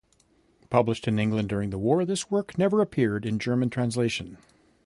Published in England during the war, this work never appeared in German translation.